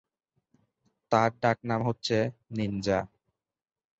তার ডাকনাম হচ্ছে "নিনজা"।